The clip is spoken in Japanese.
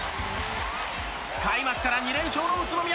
開幕から２連勝の宇都宮。